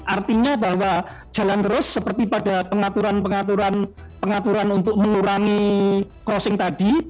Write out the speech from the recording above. artinya bahwa jalan terus seperti pada pengaturan pengaturan untuk mengurangi crossing tadi